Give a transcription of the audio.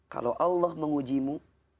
kalau allah menguji mu